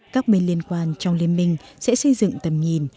các bên liên quan trong liên minh sẽ xây dựng tầm nhìn